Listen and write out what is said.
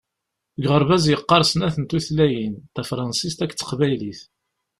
Deg uɣerbaz yeqqaṛ snat n tutlayin: Tafransist akked taqbaylit.